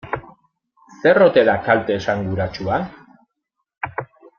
Zer ote da kalte esanguratsua?